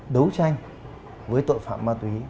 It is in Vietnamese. đối tranh với tội phạm ma túy